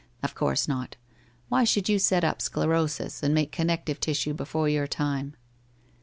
Of course not. Why should you set up sclerosis and make connective tissue before your time?'